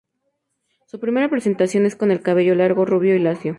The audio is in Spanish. Su primera presentación es con el cabello largo, rubio y lacio.